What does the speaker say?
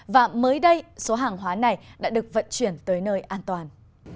và mới đây số hàng hóa này đã được vận chuyển tới nơi an toàn